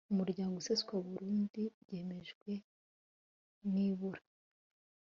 umurryango useswa burundu byemejwe nibura